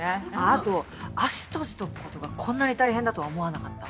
あと脚閉じとくことがこんなに大変だとは思わなかった。